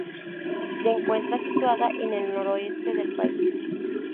Se encuentra situada en el noroeste del país.